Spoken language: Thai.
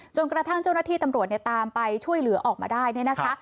จนกระทั่งเจ้าหน้าที่ตำรวจเนี่ยตามไปช่วยเหลือออกมาได้เนี่ยนะคะ